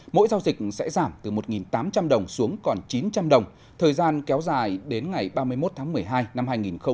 mỗi giao dịch sẽ giảm từ một tám trăm linh đồng xuống còn chín trăm linh đồng thời gian kéo dài đến ngày ba mươi một tháng một mươi hai năm hai nghìn hai mươi